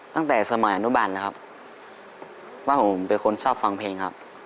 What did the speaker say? ตั้งแต่สมัยอนุบันแล้วครับว่าผมเป็นคนชอบฟังเพลงครับ